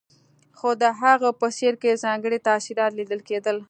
خو د هغه په څېره کې ځانګړي تاثرات ليدل کېدل.